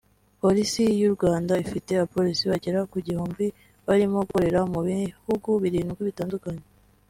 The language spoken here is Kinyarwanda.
Polisi y’u Rwanda ifite abapolisi bagera ku gihumbi barimo gukorera mu bihugu birindwi bitandukanye